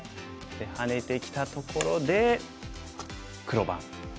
でハネてきたところで黒番。